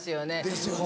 ですよね。